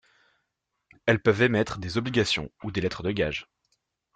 Elles peuvent émettre des obligations ou des lettres de gage.